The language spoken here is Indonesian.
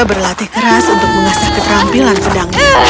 dia berlatih keras untuk menghasilkan keterampilan pedangnya